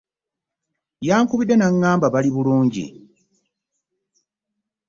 Yankubidde n'aŋŋamba bali bulungi.